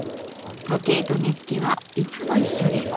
時計と根付はいつも一緒です。